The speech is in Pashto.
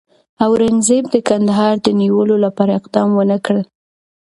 اورنګزېب د کندهار د نیولو لپاره اقدام ونه کړ.